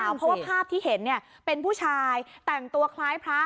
เพราะว่าภาพที่เห็นเป็นผู้ชายแต่งตัวคล้ายพระ